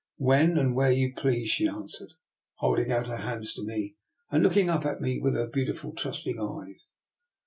"'' When and where you please," she an swered, holding out her hands to me and looking up at me with her beautiful, trust ing eyes.